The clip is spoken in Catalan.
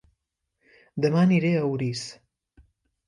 Dema aniré a Orís